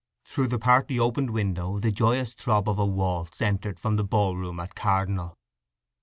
Through the partly opened window the joyous throb of a waltz entered from the ball room at Cardinal.